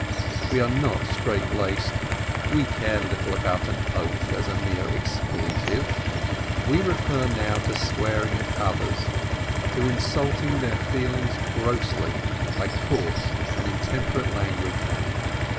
We are not strait laced, we care little about an oath as a mere expletive; we refer now to swearing at others, to insulting their feelings grossly by coarse and intemperate language.